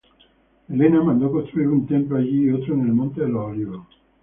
Helena mandó construir un templo allí y otro en el monte de los Olivos.